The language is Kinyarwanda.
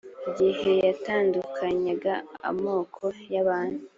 igihe yatandukanyaga amoko y’abantu.